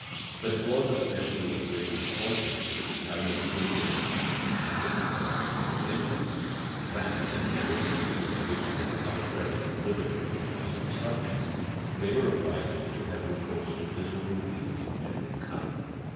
But it was especially a great misfortune for the Italian painters of genius in the fifteenth and sixteenth centuries that, in the narrow sphere to which they were arbitrarily driven for the choice of subjects, they were obliged to have recourse to miserable beings of every kind.